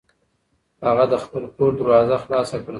هغه د خپل کور دروازه خلاصه کړه.